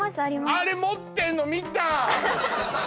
あれ持ってんの見た！